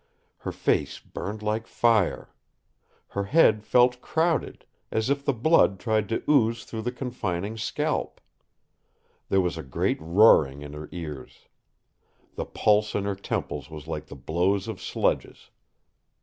Her face burned like fire. Her head felt crowded, as if the blood tried to ooze through the confining scalp. There was a great roaring in her ears. The pulse in her temples was like the blows of sledges.